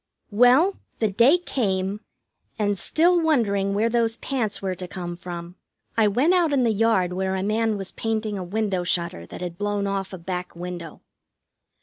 Well, the day came, and, still wondering where those pants were to come from, I went out in the yard where a man was painting a window shutter that had blown off a back window.